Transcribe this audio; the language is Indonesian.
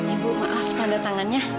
ibu maaf tanda tangannya